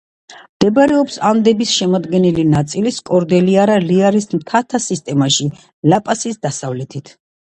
მდებარეობს ანდების შემადგენელი ნაწილის, კორდილიერა-რეალის მთათა სისტემაში, ლა-პასის დასავლეთით.